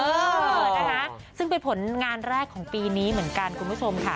เออนะคะซึ่งเป็นผลงานแรกของปีนี้เหมือนกันคุณผู้ชมค่ะ